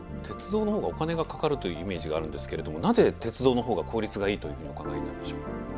鉄道の方がお金がかかるというイメージがあるんですけれどもなぜ鉄道の方が効率がいいというふうにお考えになるんでしょう？